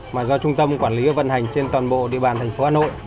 mà do trung tâm quản lý và vận hành trên toàn bộ địa bàn thành phố hà nội